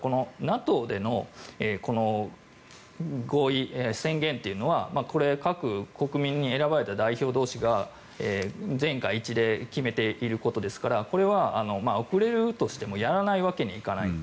ただ、ＮＡＴＯでの合意、宣言というのはこれは各国民に選ばれた代表同士が全会一致で決めていることですからこれは遅れるとしてもやらないわけにはいかない。